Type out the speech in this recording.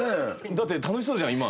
だって楽しそうじゃない